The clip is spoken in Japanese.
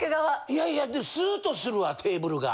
いやいやスーッとするわテーブルが。